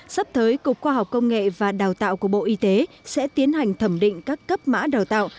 sắp tới cục khoa học công nghệ và đào tạo của bộ y tế sẽ tiến hành thẩm định các cấp mã đào tạo